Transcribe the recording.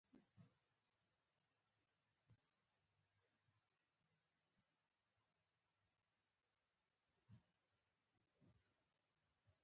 خورا ګپي سړی وو.